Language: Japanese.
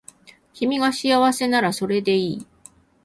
君が幸せならそれでいい